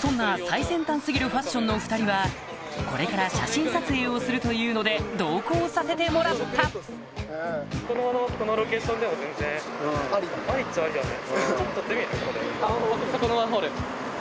そんな最先端過ぎるファッションの２人はこれから写真撮影をするというので同行させてもらったアリっちゃアリだね。